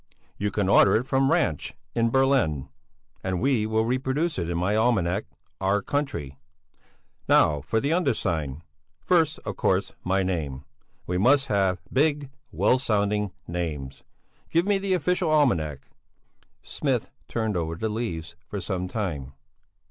You can order it from Ranch in Berlin, and we will reproduce it in my almanac 'Our Country.' Now for the undersigned. First, of course, my name. We must have big, well sounding names. Give me the official almanac." Smith turned over the leaves for some time.